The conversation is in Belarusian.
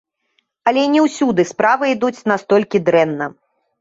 Але не ўсюды справы ідуць настолькі дрэнна.